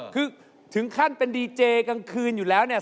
คือถึงขั้นเป็นดีเจกลางคืนอยู่แล้วเนี่ย